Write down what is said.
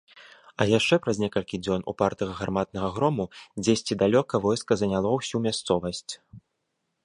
А яшчэ праз некалькі дзён упартага гарматнага грому дзесьці далёка войска заняло ўсю мясцовасць.